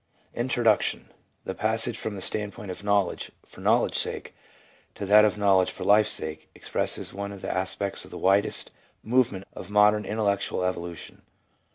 Introduction. The passage from the standpoint of knowledge for knowl edge's sake, to that of knowledge for life's sake, expresses one of the aspects of the widest movement of modern intel lectual evolution.